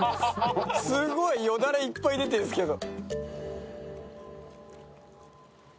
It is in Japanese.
すごい、よだれいっぱい出てるんですけど。